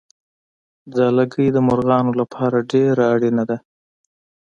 ځالګۍ د مرغانو لپاره ډېره اړینه ده.